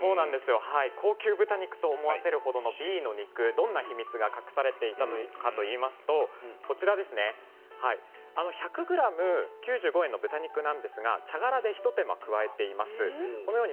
どんな秘密が隠されていたかといいますと１００ｇ９５円の豚肉なんですが茶殻で一手間、加えています。